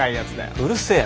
うるせえな。